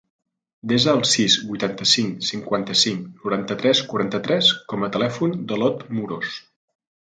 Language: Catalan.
Desa el sis, vuitanta-cinc, cinquanta-cinc, noranta-tres, quaranta-tres com a telèfon de l'Ot Muros.